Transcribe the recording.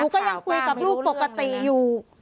ก็ยังคุยกับลูกปกติอยู่